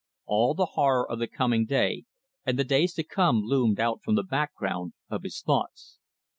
All the horror of the coming day and the days to come loomed out from the background of his thoughts.